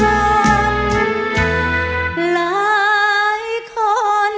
หัวใจเหมือนไฟร้อน